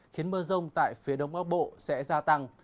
khiến mưa rông tại phía đông bắc bộ sẽ gia tăng